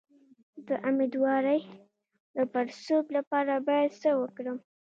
د امیدوارۍ د پړسوب لپاره باید څه وکړم؟